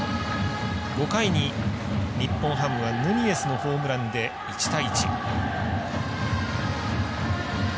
５回に日本ハムはヌニエスのホームランで１対１。